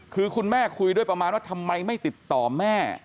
คือคุณแม่คุยด้วยประมาณว่าทำไมไม่ติดต่อแม่